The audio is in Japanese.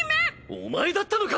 お前だったのか！